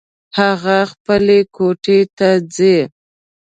هغه خپلې کوټې ته ځي